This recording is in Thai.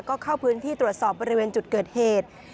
ก็เข้าพื้นที่ตรวจสอบบริเวณจุดเกิดเหตุ